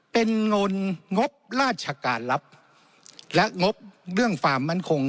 เป็นเงินงบราชการรับและงบเรื่องความมั่นคง